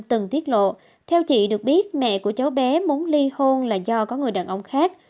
từng tiết lộ theo chị được biết mẹ của cháu bé muốn ly hôn là do có người đàn ông khác